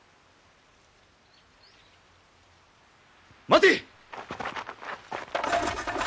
待て！